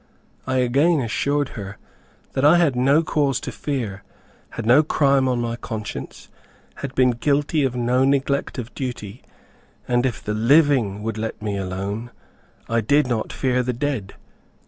I again assured her that I had no cause to fear, had no crime on my conscience, had been guilty of no neglect of duty, and if the living would let me alone, I did not fear the dead.